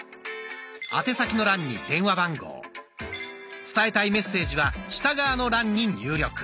宛先の欄に電話番号伝えたいメッセージは下側の欄に入力。